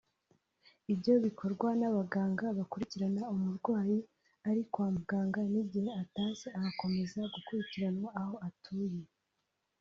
Ibyo bikorwa n’abaganga bakurikirana umurwayi ari kwa muganga n’igihe atashye agakomeza gukurikiranwa aho atuye